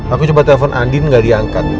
aku coba telepon andin gak diangkat